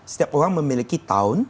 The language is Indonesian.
setiap orang memiliki tahun